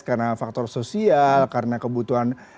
karena faktor sosial karena kebutuhan